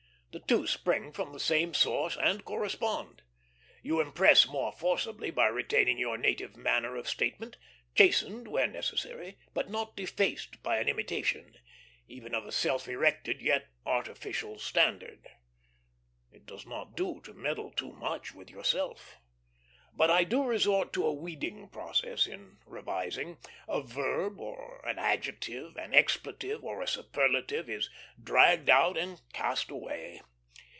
The two spring from the same source, and correspond. You impress more forcibly by retaining your native manner of statement; chastened where necessary, but not defaced by an imitation, even of a self erected, yet artificial, standard. It does not do to meddle too much with yourself. But I do resort to a weeding process in revising; a verb or an adjective, an expletive or a superlative, is dragged out and cast away.